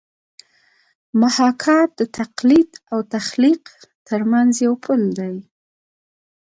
محاکات د تقلید او تخلیق ترمنځ یو پل دی